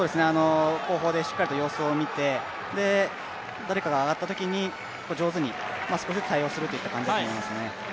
後方でしっかり様子を見て、誰かが上がったときに上手に、少しずつ対応するといった感じだと思いますね。